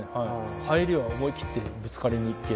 入りは思い切ってぶつかりにいけ。